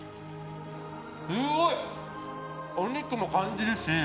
すごい、お肉も感じるし。